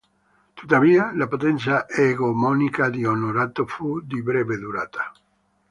Tuttavia, la potenza egemonica di Onorato fu di breve durata.